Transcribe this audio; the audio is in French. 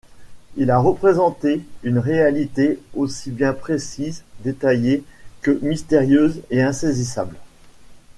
Il a représenté une réalité aussi bien précise, détaillée que mystérieuse et insaisissable.